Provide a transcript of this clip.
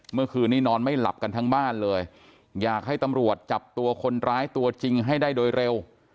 เมื่อคืนนี้นอนไม่หลับกันทั้งบ้านเลยอยากให้ตำรวจจับตัวคนร้ายตัวจริงให้ได้โดยเร็ว